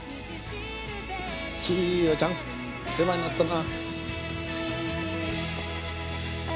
ちよちゃん世話になったな。